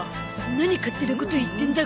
何勝手なこと言ってんだ？